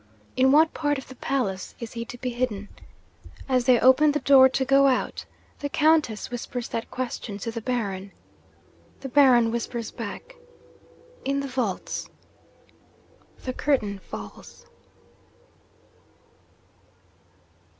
In what part of the palace is he to be hidden? As they open the door to go out, the Countess whispers that question to the Baron. The Baron whispers back, "In the vaults!" The curtain falls.'